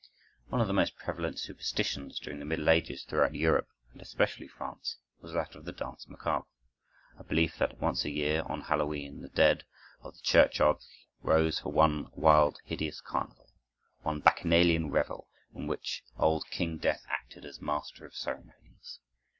One of the most prevalent superstitions during the middle ages throughout Europe, and especially France, was that of the "Danse Macabre,"—a belief that once a year, on Hallowe'en, the dead of the churchyards rose for one wild, hideous carnival, one bacchanalian revel, in which old King Death acted as master of ceremonies.